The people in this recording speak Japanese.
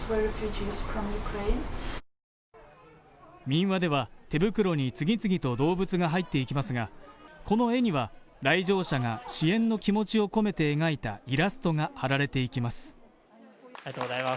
民話では、手袋に次々と動物が入っていきますが、この絵には来場者が支援の気持ちを込めて描いたイラストが貼られていきます。